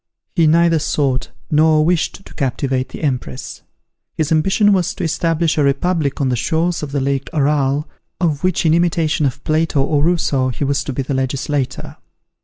He neither sought nor wished to captivate the Empress. His ambition was to establish a republic on the shores of the lake Aral, of which in imitation of Plato or Rousseau, he was to be the legislator.